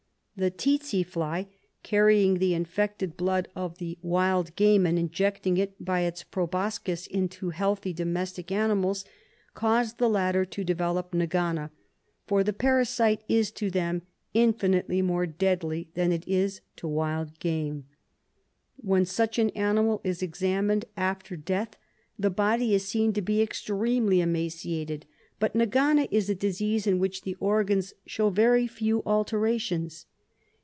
The tsetse fly, carrying the infected blood of the wild SLEEPING SICKNESS 7 game, and injecting it by its proboscis into healthy domestic animals, cause the latter to develop nag ana, for the parasite is to them infinitely more deadly than it is to wild game. When such an animal is examined after death the body is seen to be extremely emaciated, but nag ana is a disease in which the organs show very few alterations.